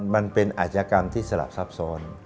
มันเป็นอาจกรรมที่สระซับซ่อน